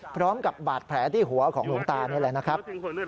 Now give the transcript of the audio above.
พร้อมกับบาดแผลที่หัวของหลวงตานี่แหละนะครับ